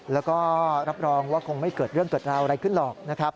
แล้วก็รับรองว่าคงไม่เกิดเรื่องเกิดราวอะไรขึ้นหรอกนะครับ